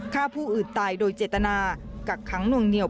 ฆ่าผู้อื่นตายโดยเจตนากักขังหน่วงเหนียว